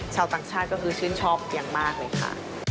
ชาวต่างชาติก็คือชื่นชอบอย่างมากเลยค่ะ